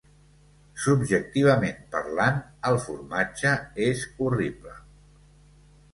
Subjectivament parlant, el formatge és horrible.